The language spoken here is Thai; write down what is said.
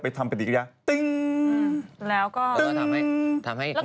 อื้อถูปที่ใต้